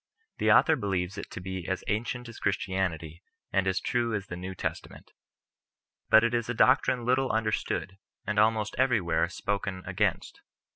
The author believes it to bo as ancient as Christianity, and as true as the New Testa ment. But it is a doctrine little understood, and almost everywhere spoken against.